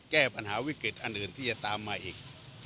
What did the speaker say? แก้ปัญหาวิกฤตอันอื่นที่จะตามมาอีก